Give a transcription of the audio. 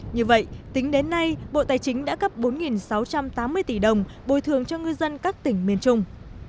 như vậy tính đến nay bộ tài chính đã cấp bốn sáu trăm tám mươi tỷ đồng bồi thường cho ngư dân các tỉnh miền trung